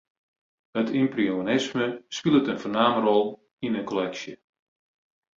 It ympresjonisme spilet in foarname rol yn 'e kolleksje.